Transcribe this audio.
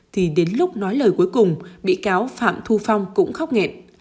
thì đến lúc nói lời cuối cùng bị cáo phạm thu phong cũng khóc nghệ